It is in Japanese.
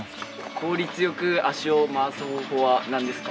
効率よく足を回す方法は何ですか？